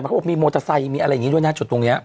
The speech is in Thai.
เขาบอกมีมอเตอร์ไซค์มีอะไรอย่างนี้ด้วยนะจุดตรงนี้